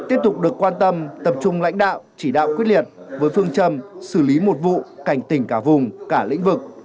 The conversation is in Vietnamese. tiếp tục được quan tâm tập trung lãnh đạo chỉ đạo quyết liệt với phương châm xử lý một vụ cảnh tỉnh cả vùng cả lĩnh vực